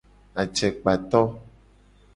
Acekpato.